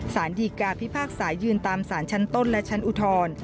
สารดีกาพิพากษายืนตามสารชั้นต้นและชั้นอุทธร